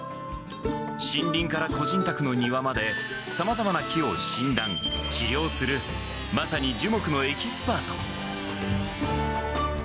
森林から個人宅の庭まで、さまざまな木を診断、治療する、まさに樹木のエキスパート。